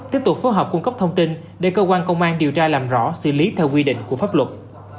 tiếp tục phối hợp cung cấp thông tin để cơ quan công an điều tra làm rõ xử lý theo quy định của pháp luật